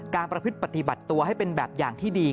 ประพฤติปฏิบัติตัวให้เป็นแบบอย่างที่ดี